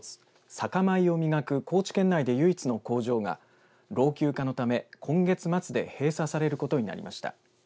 酒米を磨く高知県内で唯一の工場が老朽化のため今月末で閉鎖されることになりました。